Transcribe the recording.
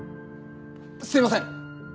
すいません！